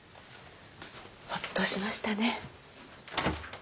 ほっとしましたね。